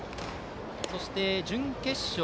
そして準決勝